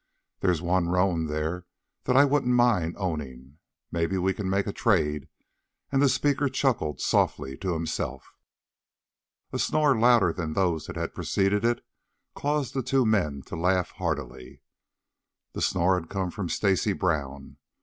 There's one roan there that I wouldn't mind owning. Maybe we can make a trade," and the speaker chuckled softly to himself. A snore louder than those that had preceded it, caused the two men to laugh heartily. The snore had come from Stacy Brown.